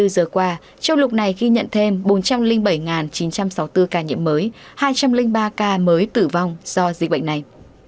hai mươi giờ qua châu lục này ghi nhận thêm bốn trăm linh bảy chín trăm sáu mươi bốn ca nhiễm mới hai trăm linh ba ca mới tử vong do dịch bệnh này